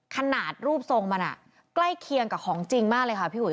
ขนาดรูปทรงมันใกล้เคียงกับของจริงมากเลยค่ะพี่อุ๋